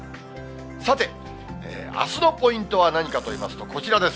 さて、あすのポイントは何かといいますと、こちらです。